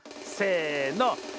せの。